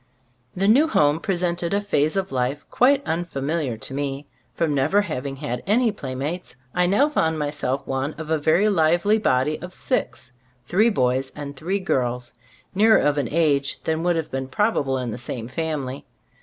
The new home presented a phase of life quite unfamiliar to me. From never having had any playmates, I now found myself one of a very lively body of six — three boys and three girls nearer of an age than would have been probable in the same family.